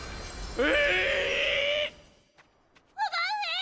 え？